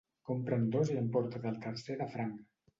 Compra'n dos i emporta't el tercer de franc.